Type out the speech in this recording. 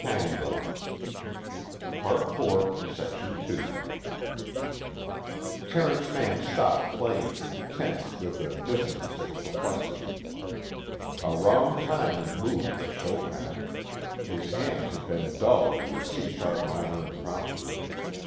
My love to you, Callista II Terence Mann stopped playing, tense with a dissonance of perplexity. A wrong time and mood for Chopin: his hands had been dull in the C sharp Minor Impromptu.